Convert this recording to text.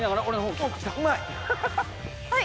おうまい。